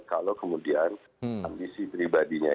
kalau kemudian ambisi pribadinya